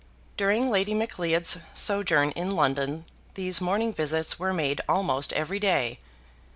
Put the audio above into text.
During Lady Macleod's sojourn in London these morning visits were made almost every day.